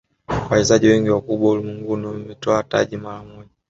wachezaji wengi wakubwa ulimwenguni wametwaa taji mara moja